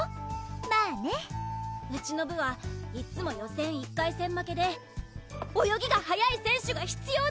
まぁねうちの部はいっつも予選１回戦負けで泳ぎが速い選手が必要なの！